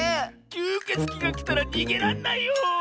きゅうけつきがきたらにげらんないよ。